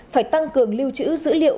phải tăng cường lưu trữ dữ liệu